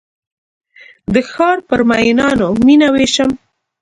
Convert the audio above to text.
د ښارپر میینانو میینه ویشم